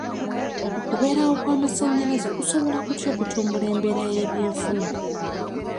Okubeerawo kw'amasanyalaze kusobola kutya okutumbula embeera y'eby'enfuna?